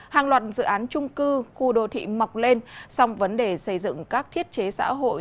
hàng loạt dự án trung cư khu đô thị mọc lên song vấn đề xây dựng các thiết chế xã hội